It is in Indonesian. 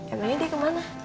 emangnya dia kemana